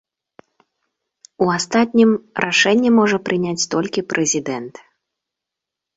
У астатнім рашэнне можа прыняць толькі прэзідэнт.